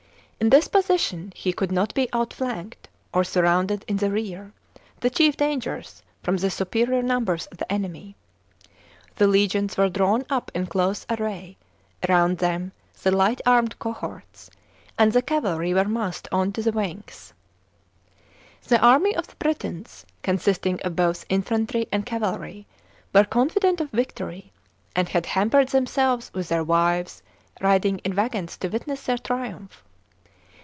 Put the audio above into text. In this position he could not be outflanked or surrounded in the rear — the chief dangers, from the superior numbers of the enemy. The legions were drawn up in close array, round them the light armed cohorts; and the cavalry were massed on the wings. The army of the Britons, consisting of both infantry and cavalry, were confident of victory, and had hampered themselves with their wives, riding in waggons to witness their triumph.